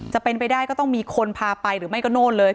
จะเป็นไปได้ก็ต้องมีคนพาไปหรือไม่ก็โน่นเลย